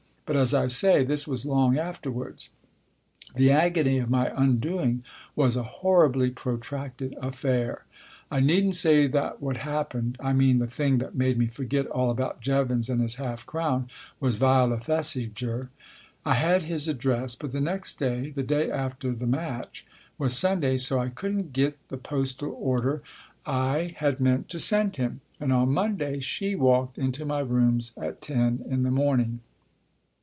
But, as I say, this was long afterwards. The agony of my undoing was a horribly protracted affair. I needn't say that what happened I mean the thing that made me forget all about Jevons and his half crown was Viola Thesiger. I had his address, but the next day the day after the match was Sunday, so I couldn't get the postal order I 10 Tasker Jevons had meant to send him. And on Monday she walked into my rooms at ten in the morning.